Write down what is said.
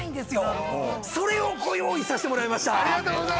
それをご用意させてもらいました。